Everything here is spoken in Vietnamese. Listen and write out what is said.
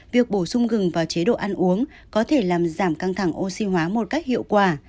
việc bổ sung gừng vào chế độ ăn uống có thể làm giảm căng thẳng oxy hóa một cách hiệu quả